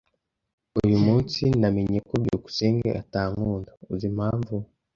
Uyu munsi namenye ko byukusenge atankunda. Uzi impamvu?